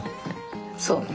そうね。